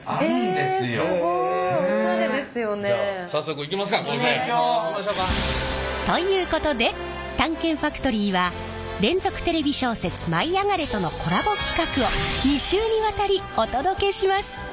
行きましょか。ということで「探検ファトリー」は連続テレビ小説「舞いあがれ！」とのコラボ企画を２週にわたりお届けします！